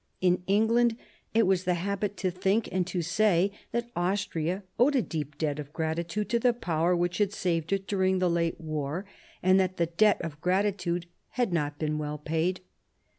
In England it was the habit to think and to say that Austria owed a deep debt of gratitude to the Power which had saved it during the late war, and that H 98 MARIA THERESA chap, v the debt of gratitude had not been well paid.